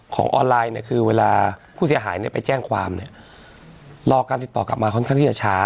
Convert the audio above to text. ออนไลน์เนี่ยคือเวลาผู้เสียหายเนี่ยไปแจ้งความเนี่ยรอการติดต่อกลับมาค่อนข้างที่จะช้า